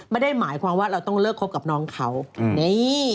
ไม่ได้หมายความว่าเราต้องเลิกคบกับน้องเขานี่